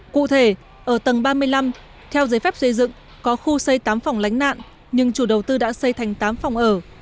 cụ thể ở tầng ba mươi năm theo giấy phép xây dựng có khu xây tám phòng lánh nạn nhưng chủ đầu tư đã xây thành tám phòng ở